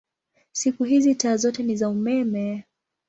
Siku hizi taa zote ni za umeme.